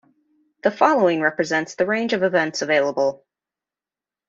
The following represents the range of events available.